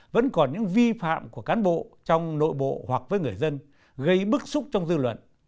vẫn còn những vi phạm của cán bộ trong nội bộ hoặc với người dân gây bức xúc trong dư luận